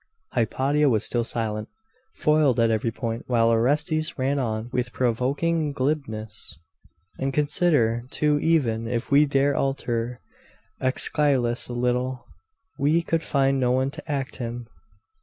Hypatia was still silent foiled at every point, while Orestes ran on with provoking glibness. 'And consider, too, even if we dare alter Aeschylus a little, we could find no one to act him.